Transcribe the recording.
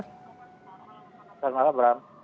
selamat malam bram